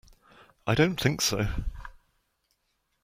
I don't think so.